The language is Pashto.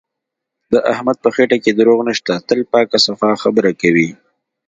د احمد په خټه کې دروغ نشته، تل پاکه صفا خبره کوي.